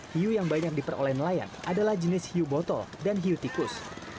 hiu yang banyak diperoleh nelayan adalah jenis hiu botol dan hiu tikus